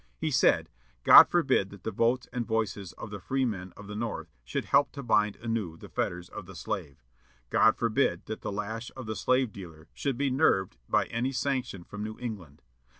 He said, "God forbid that the votes and voices of the freemen of the North should help to bind anew the fetters of the slave! God forbid that the lash of the slave dealer should be nerved by any sanction from New England!